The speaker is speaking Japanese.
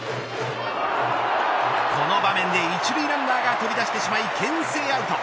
この場面で１塁ランナーが飛び出してしまいけん制アウト。